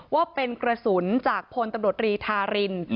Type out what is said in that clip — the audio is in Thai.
ว่าเป็นกระสุนจากพลตำรวจรีธาริน